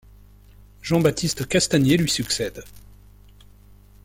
Jean-Baptiste Castanier lui succède.